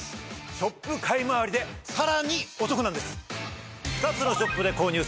ショップ買いまわりでさらにお得なんです！